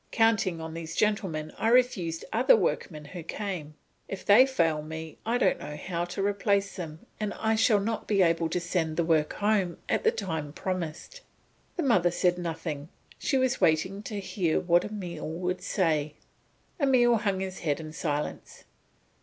Counting on these gentlemen I refused other workmen who came; if they fail me I don't know how to replace them and I shall not be able to send the work home at the time promised." The mother said nothing, she was waiting to hear what Emile would say. Emile hung his head in silence.